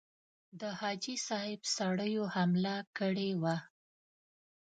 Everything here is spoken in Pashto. د حاجي صاحب سړیو حمله کړې وه.